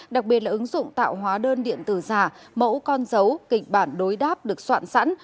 đặc biệt là ứng dụng tạo hóa đơn điện tử giả mẫu con dấu kịch bản đối đáp được soạn sẵn